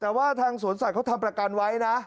แต่ว่าทางสวนสัตว์ทำประกันไว้นะ